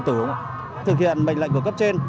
thực hiện bệnh lệnh của cấp trên